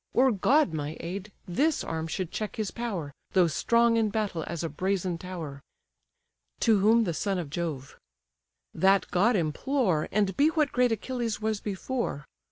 Were God my aid, this arm should check his power, Though strong in battle as a brazen tower." To whom the son of Jove: "That god implore, And be what great Achilles was before.